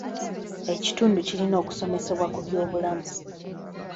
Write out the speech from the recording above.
Ekitundu kirina okusomesebwa ku byobulamu.